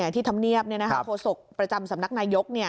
ที่ธรรมเนียบโฆษกประจำสำนักนายก